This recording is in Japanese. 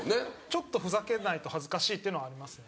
ちょっとふざけないと恥ずかしいっていうのはありますね。